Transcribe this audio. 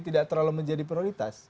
tidak terlalu menjadi prioritas